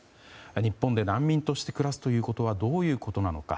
日本で難民として暮らすということはどういうことなのか。